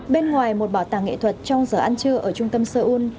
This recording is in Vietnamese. bên ngoài một bảo tàng nghệ thuật trong giờ ăn trưa ở trung tâm seoul